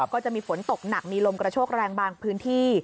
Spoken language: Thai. ก็จะมีฝนตกหนักมีลมกระโชกแรงบางพื้นที่